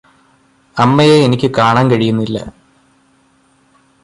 അമ്മയെ എനിക്ക് കാണാൻ കഴിയുന്നില്ല